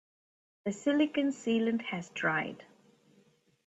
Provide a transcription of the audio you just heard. The silicon sealant has dried.